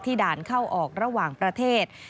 ด่านเข้าออกระหว่างประเทศ